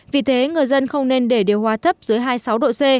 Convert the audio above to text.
vì thế người dân không nên để điều hòa thấp dưới hai mươi sáu độ c